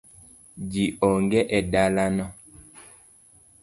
Ji onge e dalano.